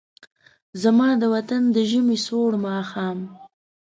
زما د وطن د ژمې سوړ ماښام